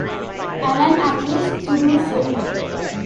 Ellen agrees to do so.